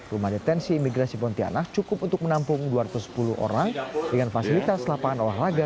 rumah detensi imigrasi pontianak cukup untuk menampung dua ratus sepuluh orang dengan fasilitas lapangan olahraga